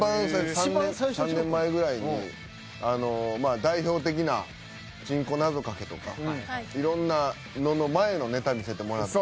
３年３年前ぐらいに代表的なちんこ謎かけとかいろんなのの前のネタ見せてもらって。